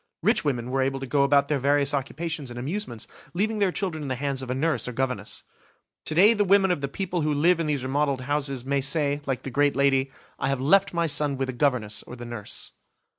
Rich women were able to go about their various occupations and amusements, leaving their children in the hands of a nurse or a governess. To day the women of the people who live in these remodeled houses, may say, like the great lady, "I have left my son with the governess or the nurse".